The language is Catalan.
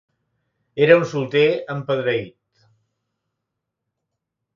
Era un solter empedreït.